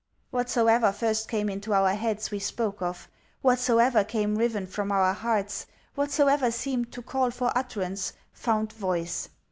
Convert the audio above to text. Whatsoever first came into our heads we spoke of whatsoever came riven from our hearts, whatsoever seemed to call for utterance, found voice.